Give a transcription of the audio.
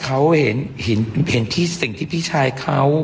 เพราะว่าเห็นสิ่งที่พี่ชายเขา